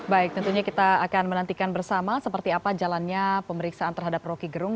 baik tentunya kita akan menantikan bersama seperti apa jalannya pemeriksaan terhadap roky gerung